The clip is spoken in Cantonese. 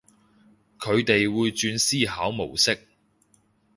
佢哋會轉思考模式